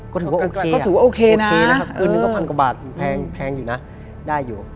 ก็ถือว่าโอเคอะโอเคนะครับคืน๑๐๐๐กว่าบาทแพงอยู่นะได้อยู่